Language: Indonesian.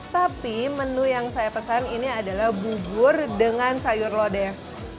tapi menu yang saya pesan ini adalah bubur dengan sayur lodeh